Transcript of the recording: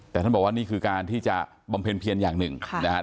แต่ท่านบอกว่านี่คือการที่จะบำเพียลอย่างหนึ่ง